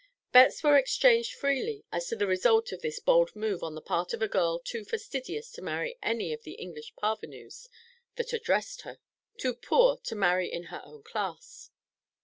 Bets were exchanged freely as to the result of this bold move on the part of a girl too fastidious to marry any of the English parvenus that addressed her, too poor to marry in her own class.